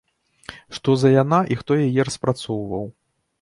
Што за яна і хто яе распрацоўваў?